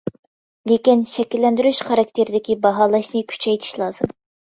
لېكىن، شەكىللەندۈرۈش خاراكتېرىدىكى باھالاشنى كۈچەيتىش لازىم.